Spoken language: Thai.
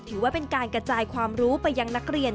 ถือว่าเป็นการกระจายความรู้ไปยังนักเรียน